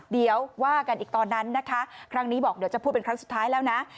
เดี๋ยวว่ากันอีกตอนนั้นนะคะครั้งนี้บอกเดี๋ยวจะพูดเป็นครั้งสุดท้ายแล้วนะ